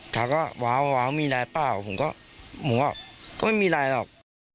เขาก็ว้าวมีอะไรเปล่าผมก็ไม่มีอะไรหรอก